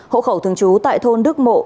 hộ khẩu thường trú tại thôn đức mộ